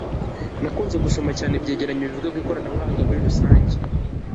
nakunze gusoma cyane ibyegeranyo bivuga ku ikoranabuhanga muri rusange